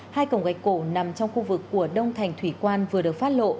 hai cổng gạch cổ nằm trong khu vực của đông thành thủy quan vừa được phát lộ